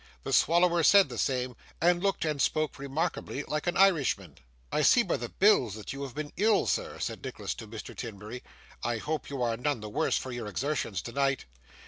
The Swallower said the same, and looked and spoke remarkably like an Irishman. 'I see by the bills that you have been ill, sir,' said Nicholas to Mr Timberry. 'I hope you are none the worse for your exertions tonight?